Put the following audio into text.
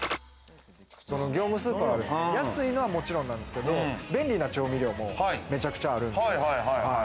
業務スーパーは安いのはもちろんなんですけど、便利な調味料もめちゃくちゃある。